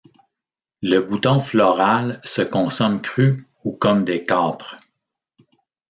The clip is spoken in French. Le bouton floral se consomme cru ou comme des câpres.